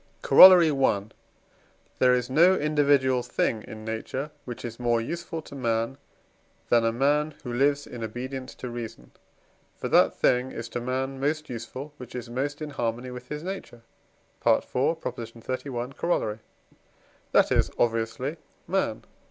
Corollary I. There is no individual thing in nature, which is more useful to man, than a man who lives in obedience to reason. For that thing is to man most useful, which is most in harmony with his nature (IV. xxxi. Coroll.); that is, obviously, man.